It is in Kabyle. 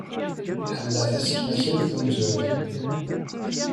Ḥemmleɣ taseknakalt ed umezruy.